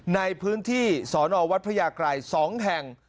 ในพื้นที่สอนอวัดพระยากรัย๒แห่ง